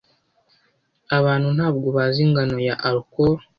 Abantu ntabwo bazi ingano ya alcohol